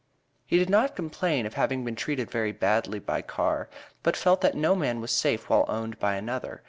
He did not complain of having been treated very badly by Carr, but felt that no man was safe while owned by another.